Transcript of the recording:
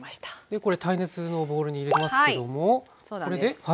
これ耐熱のボウルに入れてますけどもこれで？